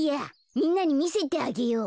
みんなにみせてあげよう。